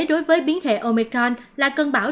đối với biến thể omicron là cơn bão